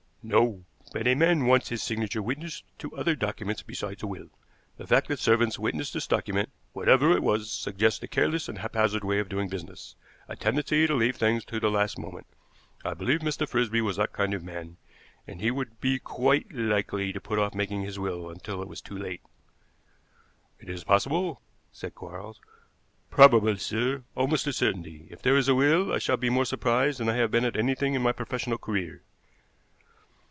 "No, but a man wants his signature witnessed to other documents besides a will. The fact that servants witnessed this document, whatever it was, suggests a careless and haphazard way of doing business, a tendency to leave things to the last moment. I believe Mr. Frisby was that kind of man, and he would be quite likely to put off making his will until it was too late." "It is possible," said Quarles. "Probable, sir, almost a certainty. If there is a will I shall be more surprised than I have been at anything in my professional career."